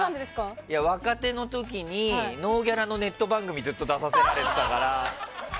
若手の時にノーギャラのネット番組にずっと出させられてたから。